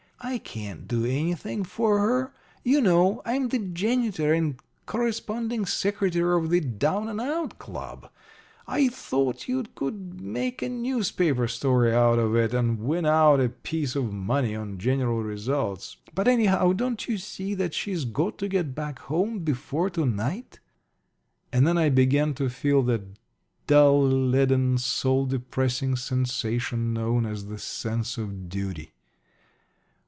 I can't do anything for her. You know, I'm the janitor and corresponding secretary of the Down and Out Club. I thought you could make a newspaper story out of it and win out a piece of money on general results. But, anyhow, don't you see that she's got to get back home before night?" And then I began to feel that dull, leaden, soul depressing sensation known as the sense of duty.